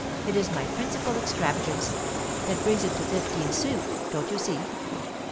it is my principal extravagance, that brings it to fifteen sous, don't you see?